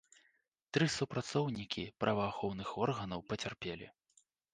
Тры супрацоўнікі праваахоўных органаў пацярпелі.